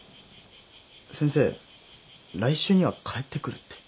先生来週には帰ってくるって。